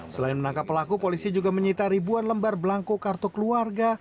selain menangkap pelaku polisi juga menyita ribuan lembar belangku kartu keluarga